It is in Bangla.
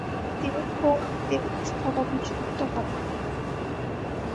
তিনি ফ্রোরিপের স্থলাভিষিক্ত হন।